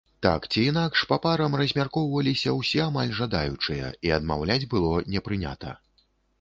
Так ці інакш, па парам размяркоўваліся ўсе амаль жадаючыя, і адмаўляць было не прынята.